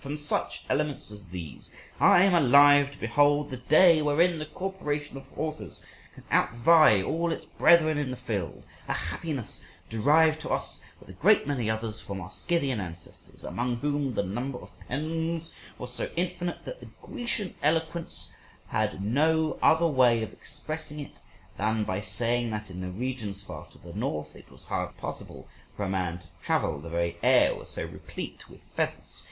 From such elements as these I am alive to behold the day wherein the corporation of authors can outvie all its brethren in the field—a happiness derived to us, with a great many others, from our Scythian ancestors, among whom the number of pens was so infinite that the Grecian eloquence had no other way of expressing it than by saying that in the regions far to the north it was hardly possible for a man to travel, the very air was so replete with feathers.